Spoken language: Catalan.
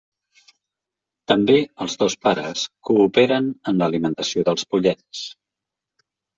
També els dos pares cooperen en l'alimentació dels pollets.